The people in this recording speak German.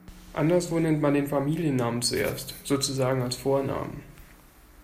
Anderswo nennt man den Familiennamen zuerst, sozusagen als Vornamen.